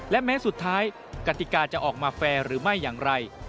และแม้สุดท้ายกติกาจะออกมาแฟร์หรือไม่อย่างไร